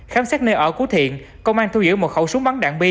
khám xét nơi ở của thiện công an thu giữ một khẩu súng bắn đạn bi